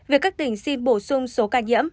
việc các tỉnh xin bổ sung số ca nhiễm